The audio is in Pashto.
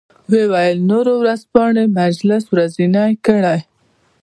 و یې ویل نورو ورځپاڼې پنځلس ورځنۍ کړې.